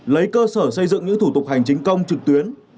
lấy cơ sở xây dựng những thủ tục hành chính công trực tuyến